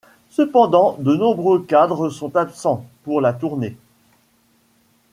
Cependant, de nombreux cadres sont absents pour la tournée.